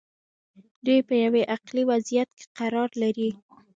دوی په یوه عقلي وضعیت کې قرار لري.